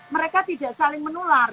mereka tidak saling menular